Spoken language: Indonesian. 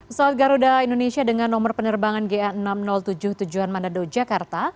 pesawat garuda indonesia dengan nomor penerbangan ga enam ratus tujuh tujuan manado jakarta